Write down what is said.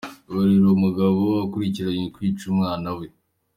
Ngororero: Umugabo akurikiranyweho kwica umwana we .